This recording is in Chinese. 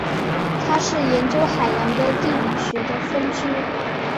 它是研究海洋的地理学的分支。